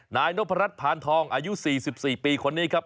นายนพรัชพานทองอายุ๔๔ปีคนนี้ครับ